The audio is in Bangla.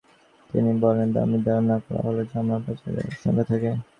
তিনি বলেন, দাম নির্ধারণ না করা হলে চামড়া পাচারের আশঙ্কা থাকে।